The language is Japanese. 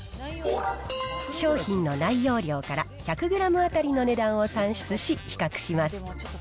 商品の内容量から１００グラム当たりの値段を算出し、比較します。